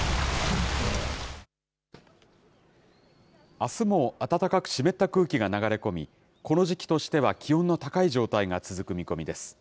あすも暖かく湿った空気が流れ込み、この時期としては気温の高い状態が続く見込みです。